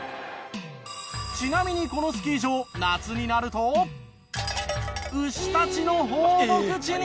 ちなみにこのスキー場夏になると牛たちの放牧地に！